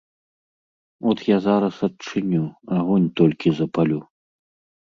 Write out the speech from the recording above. От я зараз адчыню, агонь толькі запалю.